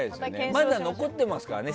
まだ残ってますからね。